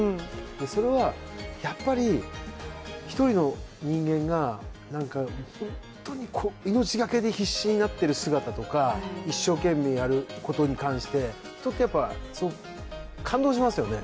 それはやっぱり１人の人間が本当に命懸けで必死になってる姿とか一生懸命やることに関して、人ってやっぱ、感動しますよね。